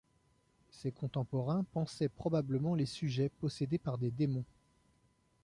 Ses contemporains pensaient probablement les sujets possédés par des démons.